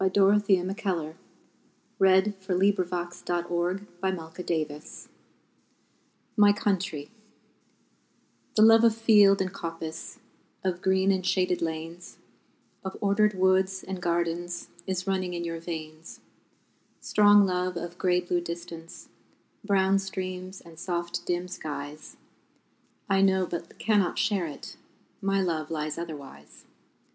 C D . E F . G H . I J . K L . M N . O P . Q R . S T . U V . W X . Y Z My Country THE love of field and coppice, Of green and shaded lanes, Of ordered woods and gardens Is running in your veins; Strong love of grey blue distance, Brown streams and soft, dim skies I know but cannot share it, My love lies otherwise.